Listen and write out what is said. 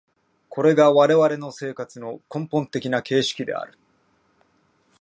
これが我々の生活の根本的な形式である。